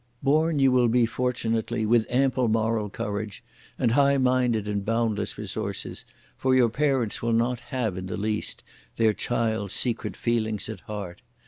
Born you will be fortunately with ample moral courage, and high minded and boundless resources, for your parents will not have, in the least, their child's secret feelings at heart!